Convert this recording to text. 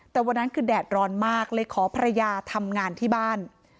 แต่วันนั้นคือแดดร้อนมากเลยขอภรรยาทำงานที่บ้าน